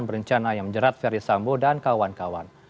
berencana yang menjerat ferry sambo dan kawan kawan